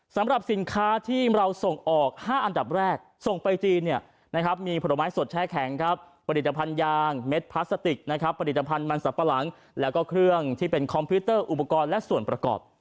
สำหรับสินค้าที่เราส่งออก๕อันดับแรกส่งไปจีนเนี่ยนะครับมีผลไม้สดแช่แข็งครับผลิตภัณฑ์ยางเม็ดพลาสติกนะครับผลิตภัณฑ์มันสับปะหลังแล้วก็เครื่องที่เป็นคอมพิวเตอร์อุปกรณ์และส่วนประกอบ